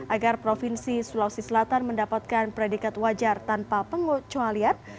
agar provinsi sulawesi selatan mendapatkan predikat wajar tanpa pengucualian